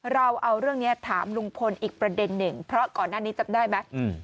เราเอาเรื่องนี้ถามลุงพลอีกประเด็นหนึ่งเพราะก่อนหน้านี้จำได้ไหม